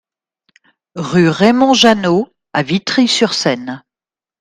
Rue Raymond Jeannot à Vitry-sur-Seine